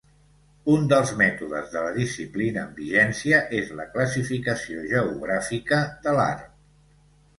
Un dels mètodes de la disciplina amb vigència és la classificació geogràfica de l'art.